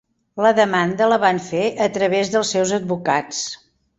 La demanda la van fer a través dels seus advocats